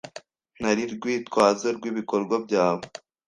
Nta rwitwazo rwibikorwa byawe.